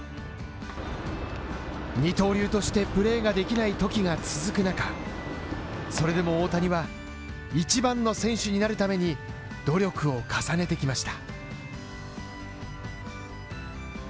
二刀流としてプレーができないときが続く中、それでも大谷は一番の選手になるために努力を重ねてきました。